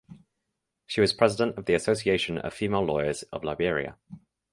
She was president of the Association of Female Lawyers of Liberia.